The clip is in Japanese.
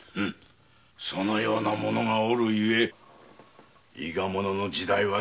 そのような者がおる故伊賀者の時代は去ったのよ。